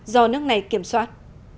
do nước này kiểm soát